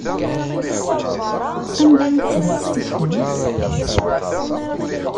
Anda i tezdeɣ setti-tkent?